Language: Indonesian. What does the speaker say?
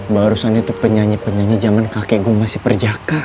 barusan itu penyanyi penyanyi zaman kakek gue masih perjaka